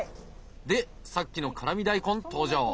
でさっきの辛味大根登場。